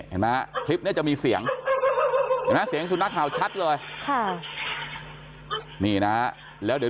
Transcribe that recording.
เห็นมั้ยคลิปนี้จะมีเสียงเสียงสุนัขห่าวชัดเลยนี่นะแล้วเดี๋ยว